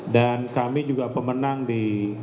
dan kami juga pemenang di